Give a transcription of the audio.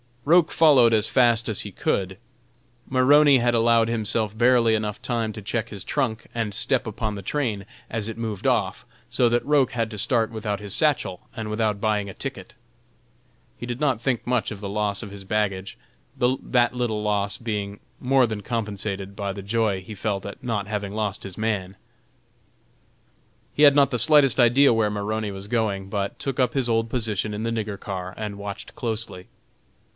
Roch followed as fast as he could. Maroney had allowed himself barely enough time to check his trunk and step upon the train as it moved off, so that Roch had to start without his satchel and without buying a ticket. He did not think much of the loss of his baggage, that little loss being more than compensated by the joy he felt at not having lost his man. He had not the slightest idea where Maroney was going, but took up his old position in the "nigger car" and watched closely.